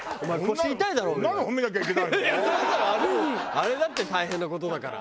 あれだって大変な事だから。